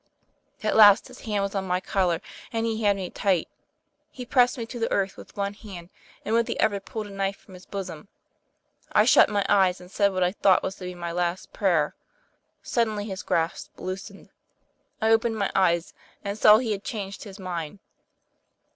At last his hand was on my collar, and he had me tight. He pressed me to the earth with one hand. TOM PL A YFAIR. 205 and with the other pulled a knife from his bosom. I shut my eyes and said what I thought was to be my last prayer. Suddenly his grasp loosened. I opened my eyes and saw he had changed his mind.